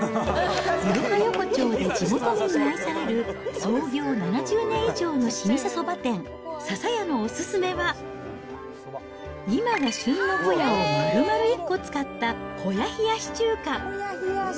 壱弐参横丁で地元民に愛される創業７０年以上の老舗そば店、笹屋のお勧めは、今が旬のホヤをまるまる１個使ったホヤ冷やし中華。